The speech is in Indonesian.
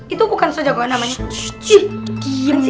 itu bukan so jagoan namanya